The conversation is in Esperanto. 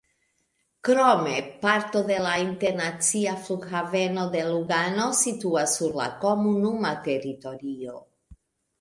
Krome parto de la internacia Flughaveno de Lugano situas sur la komunuma teritorio.